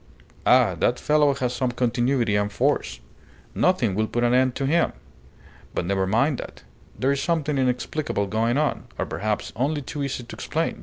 Ah! that fellow has some continuity and force. Nothing will put an end to him. But never mind that. There's something inexplicable going on or perhaps only too easy to explain.